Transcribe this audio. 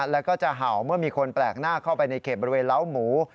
แล้วก็จะเห่าเมื่อมีคนแปลกหน้าเข้าไปในเขตบริเวณเล้าหมู